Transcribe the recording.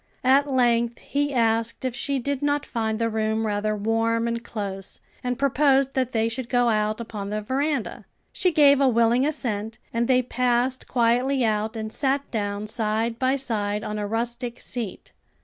At length he asked if she did not find the room rather warm and close, and proposed that they should go out upon the veranda. She gave a willing assent and they passed quietly out and sat down side by side on a rustic seat.